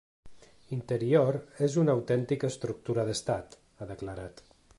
“Interior és una autèntica estructura d’estat”, ha declarat.